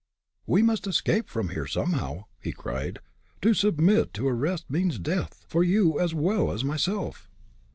"We must escape from here, somehow!" he cried. "To submit to arrest means death for you as well as myself."